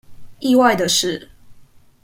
意外的是